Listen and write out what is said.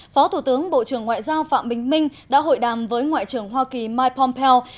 phó thủ tướng bộ trưởng ngoại giao phạm bình minh đã hội đàm với ngoại trưởng hoa kỳ mike pompeo